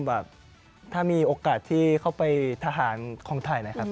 แบบถ้ามีโอกาสที่เข้าไปทหารของไทยนะครับ